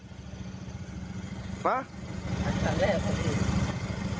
ครั้งแรกเลยหรอ